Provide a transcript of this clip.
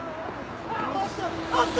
あった。